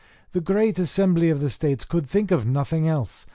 The great assembly of the states could think of nothing else.